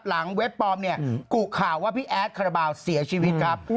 เว็บปลอมเนี่ยกุข่าวว่าพี่แอดคาราบาลเสียชีวิตครับ